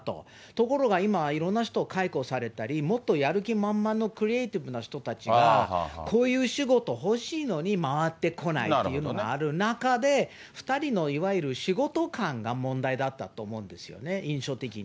ところが今、いろんな人が解雇されたりもっとやる気満々のクリエーティブな人たちがこういう仕事欲しいのに回ってこないっていうのがある中で、２人のいわゆる仕事観が問題だったと思うんですよね、印象的に。